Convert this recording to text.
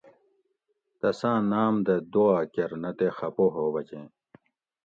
تساں ناۤم دہ دعاکۤر نہ تے خپہ ہو بچیں